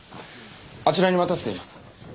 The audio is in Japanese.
あちらに待たせています